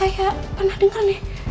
kayak pernah denger nih